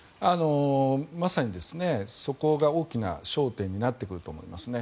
まさにそこが大きな焦点になってくると思いますね。